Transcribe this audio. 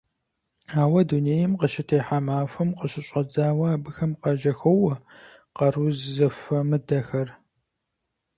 Ауэ, дунейм къыщытехьа махуэм къыщыщIэдзауэ абыхэм къажьэхоуэ къару зэхуэмыдэхэр.